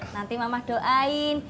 nanti mama doain